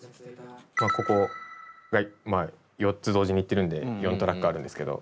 ここが４つ同時に言ってるので４トラックあるんですけど。